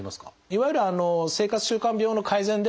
いわゆる生活習慣病の改善でもですね